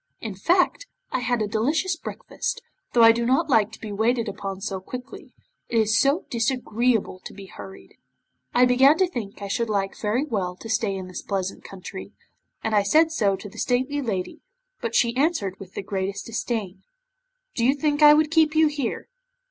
In fact, I had a delicious breakfast, though I do not like to be waited upon so quickly. It is so disagreeable to be hurried. I began to think I should like very well to stay in this pleasant country, and I said so to the stately lady, but she answered with the greatest disdain: '"Do you think I would keep you here?